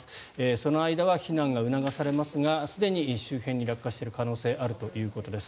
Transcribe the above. その間は避難が促されますがすでに周辺に落下している可能性があるということです。